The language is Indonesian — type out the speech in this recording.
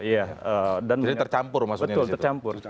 jadi tercampur maksudnya